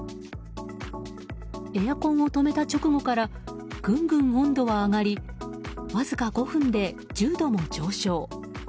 エアコンを止めた直後からぐんぐん温度は上がりわずか５分で１０度も上昇。